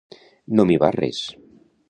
No m'hi va res.